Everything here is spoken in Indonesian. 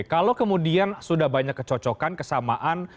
kalau kemudian sudah banyak kecocokan kesamaan